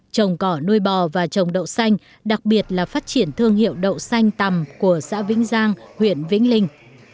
trồng cỏ nuôi bò và trồng đậu xanh đặc biệt là phát triển thương hiệu đậu xanh tầm của xã vĩnh giang huyện vĩnh linh